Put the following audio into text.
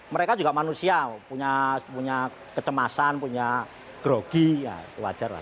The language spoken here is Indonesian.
mereka juga manusia punya kecemasan punya grogi ya wajar lah